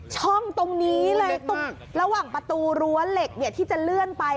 ช่องตรงนี้เลยตรงระหว่างประตูรั้วเหล็กที่จะเลื่อนไป